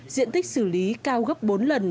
diện tích xử lý cao gấp bốn lần